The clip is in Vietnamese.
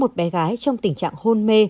đang cấp cứu một bé gái trong tình trạng hôn mê